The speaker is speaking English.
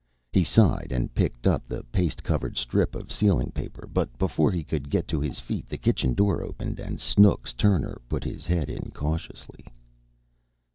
He sighed and picked up the paste covered strip of ceiling paper, but before he could get to his feet the kitchen door opened and "Snooks" Turner put his head in cautiously.